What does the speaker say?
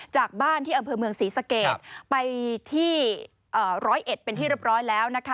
จากบ้านที่อำเภอเมืองศรีสเกตไปที่ร้อยเอ็ดเป็นที่เรียบร้อยแล้วนะคะ